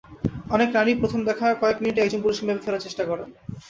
অনেক নারীই প্রথম দেখার কয়েক মিনিটেই একজন পুরুষকে মেপে ফেলার চেষ্টা করেন।